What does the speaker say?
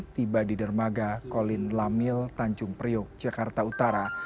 tiba di dermaga kolin lamil tanjung priok jakarta utara